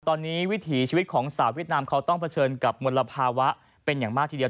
ตอนนี้วิถีชีวิตของสาวเวียดนามเขาต้องเผชิญกับมลภาวะเป็นอย่างมากทีเดียว